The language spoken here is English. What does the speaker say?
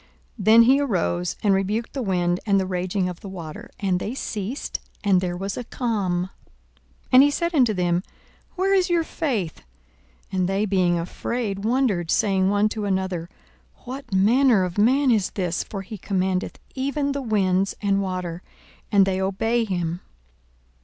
Then he arose, and rebuked the wind and the raging of the water: and they ceased, and there was a calm. 42:008:025 And he said unto them, Where is your faith? And they being afraid wondered, saying one to another, What manner of man is this! for he commandeth even the winds and water, and they obey him.